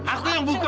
aku yang buka